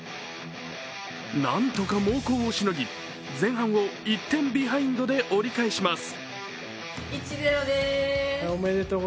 なんとか猛攻をしのぎ前半を１点ビハインドで折り返します。